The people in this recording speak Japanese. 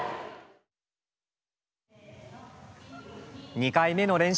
２回目の練習。